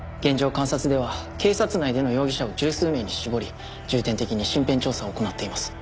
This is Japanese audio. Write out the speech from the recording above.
監察では警察内での容疑者を十数名に絞り重点的に身辺調査を行っています。